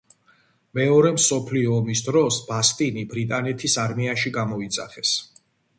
მეორე მსოფლიო ომის დროს ბასტინი ბრიტანეთის არმიაში გამოიძახეს.